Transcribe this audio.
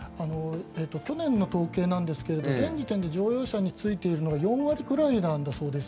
去年の統計なんですが現時点で乗用車についてるのは４割くらいなんだそうです。